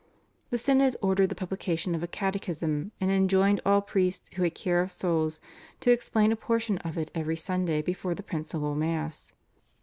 The synods ordered the publication of a catechism, and enjoined all priests who had care of souls to explain a portion of it every Sunday before the principal Mass.